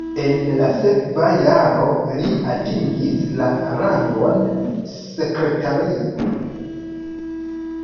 En la sekva jaro li atingis la rangon sekretario.